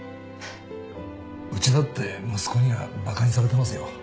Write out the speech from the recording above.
うちだって息子にはバカにされてますよ。